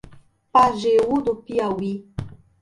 Pajeú do Piauí